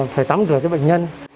phải tắm rửa cho bệnh nhân